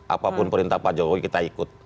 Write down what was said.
apapun perintah pak jokowi kita ikut